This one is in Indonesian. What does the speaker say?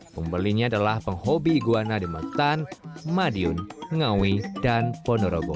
pembelinya adalah penghobi iguana di metan madiun ngawi dan ponorogo